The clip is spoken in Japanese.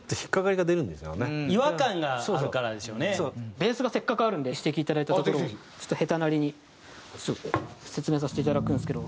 ベースがせっかくあるんで指摘いただいたところをちょっと下手なりに説明させていただくんですけど。